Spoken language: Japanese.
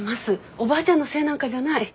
おばあちゃんのせいなんかじゃない。